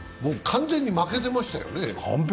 完全に負けてましたよね。